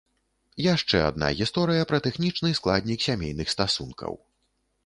Яшчэ адна гісторыя пра тэхнічны складнік сямейных стасункаў.